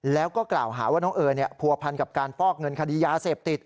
แล้วก็กล่าวหาว่าน้องเอิญผัวพันกับการฟอกเงินคดียาเสพติด